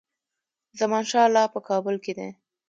زمانشاه لا په کابل کې دی.